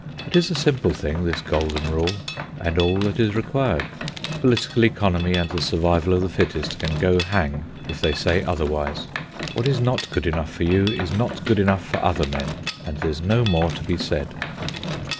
It is a simple thing, this Golden Rule, and all that is required. Political economy and the survival of the fittest can go hang if they say otherwise. What is not good enough for you is not good enough for other men, and there's no more to be said.